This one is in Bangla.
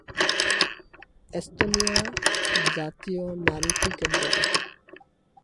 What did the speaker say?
এস্তোনিয়া জাতীয় নারী ক্রিকেট দল